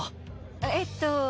ええっと